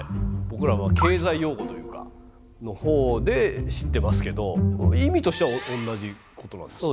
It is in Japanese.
僕ら経済用語というかのほうで知ってますけど意味としては同じことなんですか？